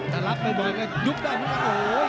จะรับบ่อยก็ยุบได้